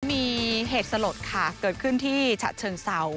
มีเหตุสลดค่ะเกิดขึ้นที่ฉะเชิงเศร้า